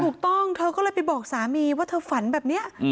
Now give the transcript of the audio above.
เธอก็เลยไปบอกสามีว่าเธอฝันแบบนี้